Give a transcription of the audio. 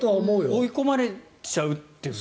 追い込まれちゃうという。